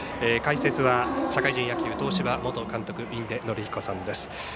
解説は社会人野球東芝元監督、印出順彦さんです。